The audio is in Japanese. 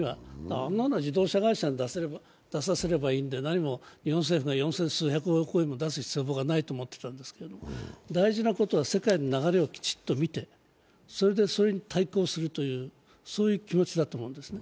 あんなのは自動車会社に出させればいいので、何も日本政府が四千数百億円も出す必要はないと思っていたんですけれども、大事なことは世界の流れをきちっと見て、それに対抗するという気持ちだと思うんです。